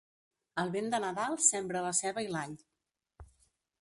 Al vent de Nadal sembra la ceba i l'all.